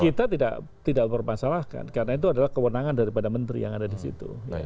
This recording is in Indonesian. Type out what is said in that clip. kita tidak mempermasalahkan karena itu adalah kewenangan daripada menteri yang ada di situ